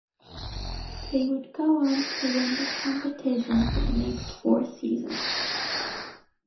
They would go on to win this competition for the next four seasons.